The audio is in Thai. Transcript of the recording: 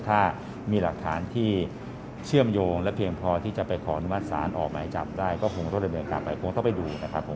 ถ้ามีหลักฐานที่เชื่อมโยงและเพียงพอที่จะไปขออนุมัติศาลออกหมายจับได้ก็คงต้องดำเนินการไปคงต้องไปดูนะครับผม